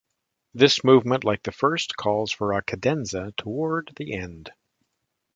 This movement, like the first, calls for a cadenza toward the end.